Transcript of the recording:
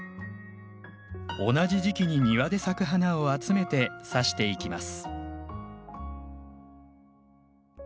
同じ時期に庭で咲く花を集めて挿していきます。